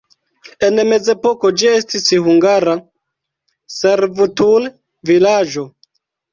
En mezepoko ĝi estis hungara servutul-vilaĝo.